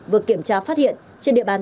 vừa kiểm tra phát hiện trên địa bàn